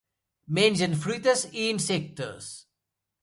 Mengen fruites i insectes.